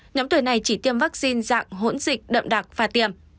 nhóm tuổi này chỉ tiêm vaccine dạng hỗn dịch đậm đặc pha tiêm